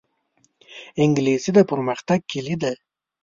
انګلیسي د پرمختګ کلي ده